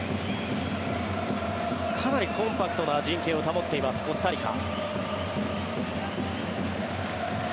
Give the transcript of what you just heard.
かなりコンパクトな陣形を保っています、コスタリカ。